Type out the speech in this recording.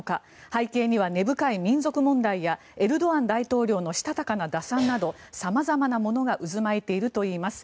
背景には根深い民族問題やエルドアン大統領のしたたかな打算など様々なものが渦巻いているといいます。